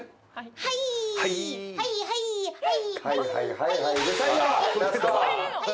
はいはいはいはい。